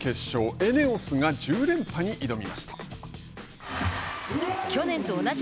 ＥＮＥＯＳが１０連覇に挑みました。